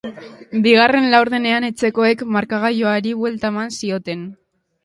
Bigarren laurdenean etxekoek markagailuari buelta eman zioten.